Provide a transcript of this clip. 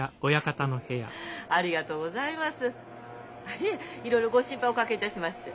いえいろいろご心配をおかけいたしまして。